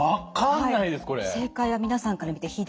正解は皆さんから見て左。